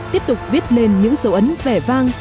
tiếp tục viết lên những dấu ấn vẻ vang